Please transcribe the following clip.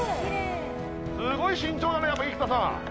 すごく慎重だね生田さん。